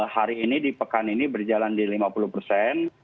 hari ini di pekan ini berjalan di lima puluh persen